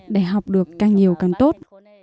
để học được càng nhiều càng tốt